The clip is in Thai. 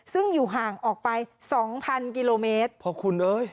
ซึ่งอยู่ห่างออกไป๒๐๐๐กิโลเมตรพระคุณเอ้ย